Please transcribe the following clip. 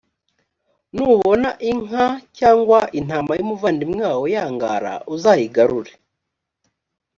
nubona inka cyangwa intama y’umuvandimwe wawe yangara uzayigarure